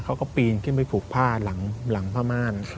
เขาก็ปีนขึ้นไปผูกผ้าหลังผ้าม่าน